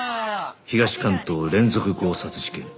東関東連続強殺事件